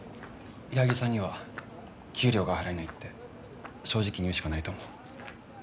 ・矢作さんには給料が払えないって正直に言うしかないと思う。